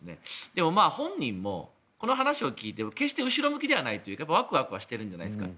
でも、本人もこの話を聞いて決して後ろ向きではないというかワクワクはしてるんじゃないですか。